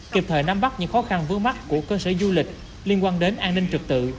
kịp thời nắm bắt những khó khăn vướng mắt của cơ sở du lịch liên quan đến an ninh trực tự